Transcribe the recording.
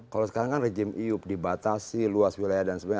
kalau sekarang kan rejim iup dibatasi luas wilayah dan sebagainya